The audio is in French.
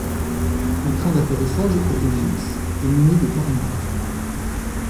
Le train d'atterrissage était fixe, et muni de carénages.